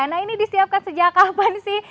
nah ini disiapkan sejak kapan sih